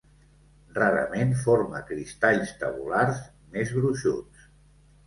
Rarament forma cristalls tabulars més gruixuts.